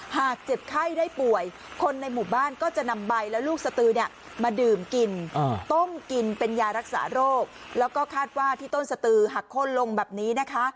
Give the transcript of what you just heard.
หากเจ็บไข้ได้ป่วยคนในหมู่บ้านก็จะนำใบและลูกสตือเนี่ยมาดื่มกินต้มกินเป็นยารักษาโรคแล้วก็คาดว่าที่ต้นสตือหักโค้นลงแบบนี้นะคะ